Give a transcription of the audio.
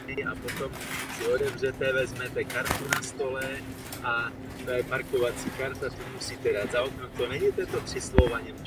Po škole tři roky pracoval jako produkční zpravodajství na televizi Prima.